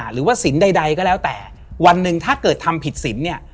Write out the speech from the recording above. หรือว่าสินใดก็แล้วแต่วันหนึ่งถ้าเกิดทำผิดสินเนี่ย